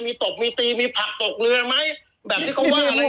มีตบมีตีมีผักตกเรือไหมแบบที่เขาว่าอะไร